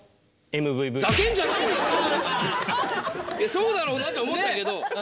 そうだろうなとは思ったけど。